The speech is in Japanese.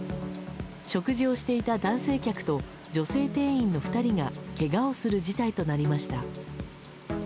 食事をしていた男性客と女性店員の２人がけがをする事態となりました。